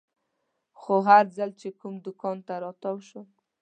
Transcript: خو هر ځل چې کوم دوکان ته تاو شوم.